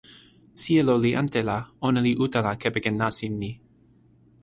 sijelo li ante la, ona li utala kepeken nasin ni.